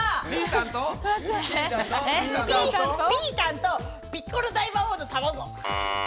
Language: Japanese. ピータンとピッコロ大魔王の卵。